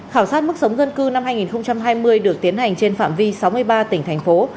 khảo sát mức sống dân cư năm hai nghìn hai mươi được tiến hành trên phạm vi sáu mươi ba tỉnh thành phố